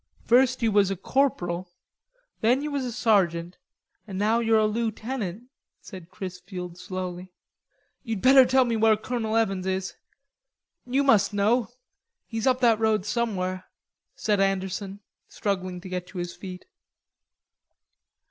"First you was a corporal, then you was a sergeant, and now you're a lootenant," said Chrisfield slowly. "You'ld better tell me where Colonel Evans is.... You must know.... He's up that road somewhere," said Anderson, struggling to get to his feet.